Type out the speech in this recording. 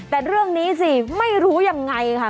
แต่เรื่องนี้สิไม่รู้ยังไงค่ะ